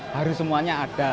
harus semuanya ada